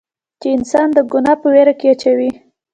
چې انسان د ګناه پۀ وېره کښې اچوي